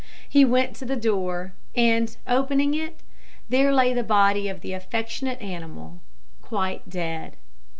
He went to the door, and, opening it, there lay the body of the affectionate animal quite dead.